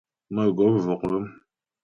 Mə̌gɔp vɔk ghə́m.